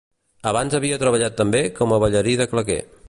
Abans havia treballat també com a ballarí de claqué.